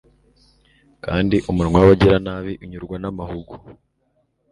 kandi umunwa w'abagiranabi unyurwa n'amahugu